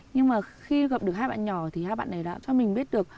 nhưng mà khi gặp được hai bạn nhỏ thì hai bạn này đã cho mình biết được